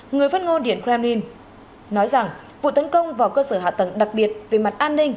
người phát ngôn điện kremlin nói rằng vụ tấn công vào cơ sở hạ tầng đặc biệt về mặt an ninh